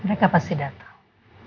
mereka pasti datang